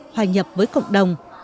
hòa nhập với cộng đồng